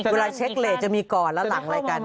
เวลาเช็คเรตจะมีก่อนแล้วหลังอะไรกัน